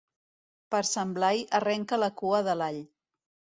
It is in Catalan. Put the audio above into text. Per Sant Blai arrenca la cua de l'all.